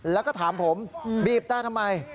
แล้วก็ถามผมบีบแต่ทำไม